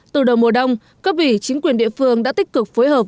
từ đầu mùa đông các vị chính quyền địa phương đã tích cực phối hợp